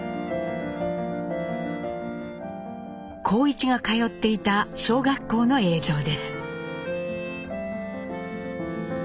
幸一が通っていた小学校の映像です。